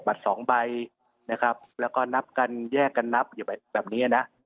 สองใบนะครับแล้วก็นับกันแยกกันนับอยู่แบบนี้นะ